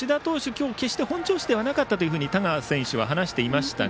今日決して本調子ではなかったと田川選手は話していました。